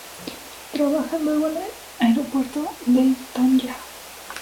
Trabaja luego en el puerto de Tánger.